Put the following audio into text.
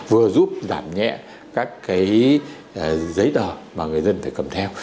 vừa giúp giảm nhẹ các cái giấy tờ mà người dân phải cầm theo